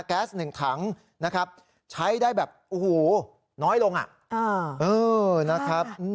แก๊สหนึ่งถังนะครับใช้ได้แบบโอ้โหน้อยลงนะครับ